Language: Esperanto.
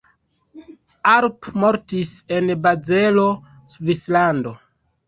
Arp mortis en Bazelo, Svislando.